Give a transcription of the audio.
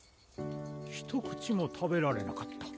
ひと口も食べられなかった？